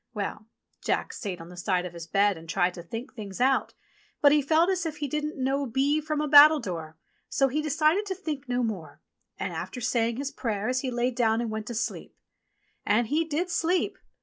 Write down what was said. Well ! Jack sate on the side of his bed and tried to think THE GOLDEN SNUFF BOX 41 things out, but he felt as if he didn't know b from a battle dore, so he decided to think no more, and after saying his prayers he lay down and went to sleep. And he did sleep